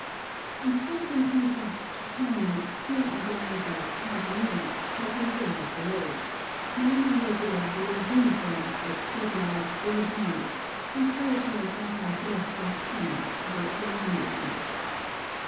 In striking contrast to China, here are gangs of "cantonniers" taking care of the road; men in regular blue uniforms with big white "bull's eyes," and characters like our Celestial friends the yameni runners.